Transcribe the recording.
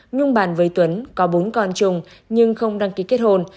nhung bàn với tuấn có bốn con chung nhưng không đăng ký kết hôn